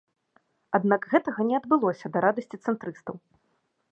Аднак гэтага не адбылося, да радасці цэнтрыстаў.